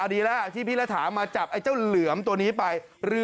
ดีแล้วที่พี่รัฐามาจับไอ้เจ้าเหลือมตัวนี้ไป